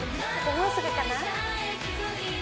もうすぐかな？